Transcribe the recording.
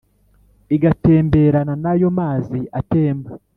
Igatemberana n'ayo mazi atemba